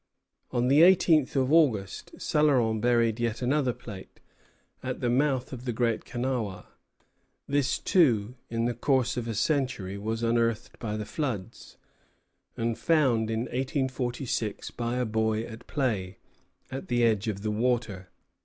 On the eighteenth of August, Céloron buried yet another plate, at the mouth of the Great Kenawha. This, too, in the course of a century, was unearthed by the floods, and was found in 1846 by a boy at play, by the edge of the water.